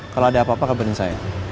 kalau ada apa apa kabarin saya